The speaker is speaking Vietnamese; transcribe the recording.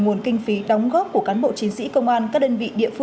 bốn văn phòng chính phủ